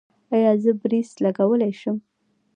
ایا زه برېس لګولی شم؟